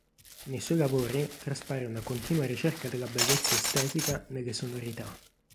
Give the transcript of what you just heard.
Nei suoi lavori traspare una continua ricerca della bellezza estetica nelle sonorità.